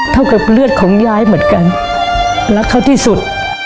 กับเลือดของยายเหมือนกันรักเขาที่สุด